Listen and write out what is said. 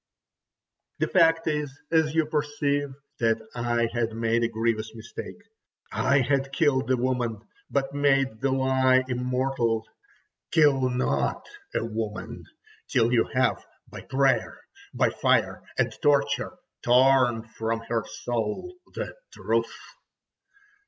The fact is, as you perceive, that I had made a grievous mistake. I had killed the woman, but made the lie immortal. Kill not a woman till you have, by prayer, by fire, and torture, torn from her soul the truth!